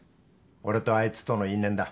俺とあいつとの因縁だ。